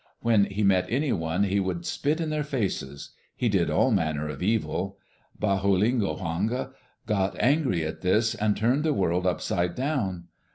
When he met any one he would spit in their faces.... He did all manner of evil. Baholihonga got angry at this and turned the world upside down.